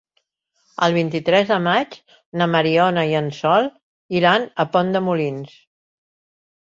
El vint-i-tres de maig na Mariona i en Sol iran a Pont de Molins.